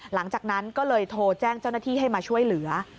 หลังจากนั้นก็เลยโทรแจ้งเจ้าหน้าที่ให้มาช่วยเหลือ